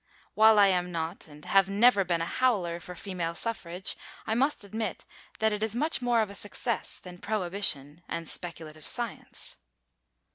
While I am not and have never been a howler for female suffrage, I must admit that it is much more of a success than prohibition and speculative science.